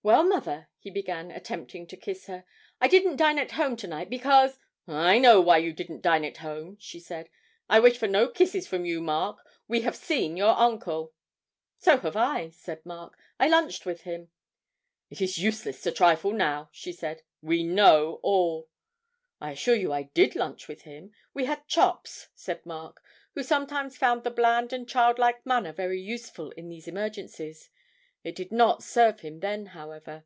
'Well, mother,' he began, attempting to kiss her, 'I didn't dine at home to night because ' 'I know why you didn't dine at home,' she said. 'I wish for no kisses from you, Mark. We have seen your uncle.' 'So have I,' said Mark; 'I lunched with him.' 'It is useless to trifle now,' she said; 'we know all.' 'I assure you I did lunch with him; we had chops,' said Mark, who sometimes found the bland and childlike manner very useful in these emergencies. It did not serve him then, however.